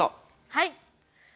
はい。